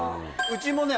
うちもね。